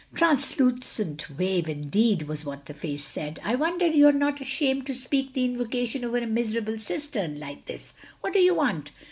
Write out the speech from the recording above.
"'Translucent wave,'indeed!" was what the face said. "I wonder you're not ashamed to speak the invocation over a miserable cistern like this. What do you want?"